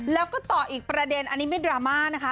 แล้วก็ต่ออีกประเด็นอันนี้ไม่ดราม่านะคะ